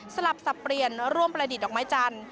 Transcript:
สลับสับเปลี่ยนร่วมประดิษฐ์ดอกไม้จันทร์